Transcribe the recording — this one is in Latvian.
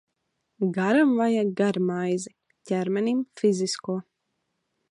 Garam vajag Gara maizi, ķermenim – fizisko.